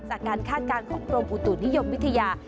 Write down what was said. คาดการณ์ของกรมอุตุนิยมวิทยา